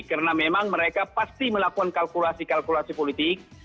karena memang mereka pasti melakukan kalkulasi kalkulasi politik